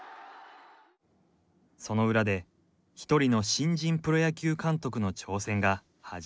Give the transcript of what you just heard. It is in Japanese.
その裏で一人の新人プロ野球監督の挑戦が始まっていた。